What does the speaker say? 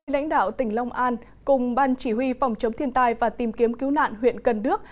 lãnh đạo tỉnh long an cùng ban chỉ huy phòng chống thiên tai và tìm kiếm cứu nạn huyện cần đước